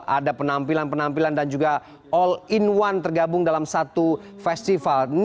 ada penampilan penampilan dan juga all in one tergabung dalam satu festival